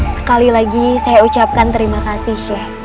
sekali lagi saya ucapkan terima kasih chef